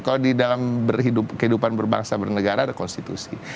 kalau di dalam kehidupan berbangsa bernegara ada konstitusi